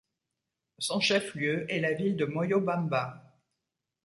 Son chef-lieu est la ville de Moyobamba.